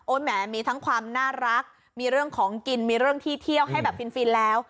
แหมมีทั้งความน่ารักมีเรื่องของกินมีเรื่องที่เที่ยวให้แบบฟินแล้ว